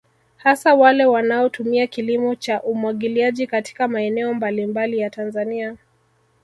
Hasa wale wanaotumia kilimo cha umwagiliaji katika maeneo mbalimbali ya Tanzania